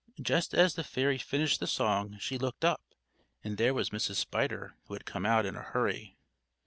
Just as the fairy finished the song she looked up, and there was Mrs. Spider, who had come out in a hurry.